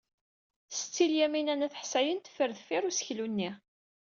Setti Lyamina n At Ḥsayen teffer deffir useklu-nni.